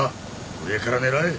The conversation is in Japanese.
上から狙え！